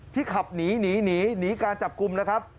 ที่ขับหนีหนีการจับกลุ่มนะครับ